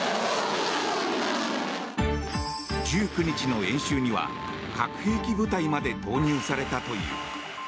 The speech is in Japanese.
１９日の演習には核兵器部隊まで投入されたという。